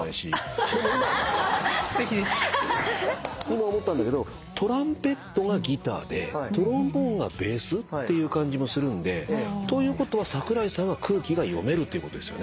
今思ったんだけどトランペットがギターでトロンボーンがベースっていう感じもするんでということは桜井さんは空気が読めるということですよね。